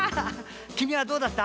きみはどうだった？